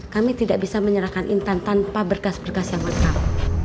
kami tidak bisa menyerahkan intan tanpa berkas berkas yang lengkap